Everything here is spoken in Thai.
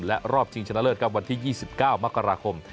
และรอบชิงชนะเลิศครับวันที่๒๙มกราคม